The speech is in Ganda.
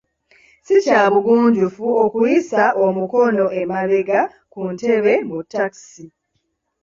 Ssi kya bugunjufu okuyisa omukono emabega ku ntebe mu takisi.